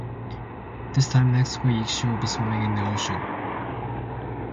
This time next week, she will be swimming in the ocean.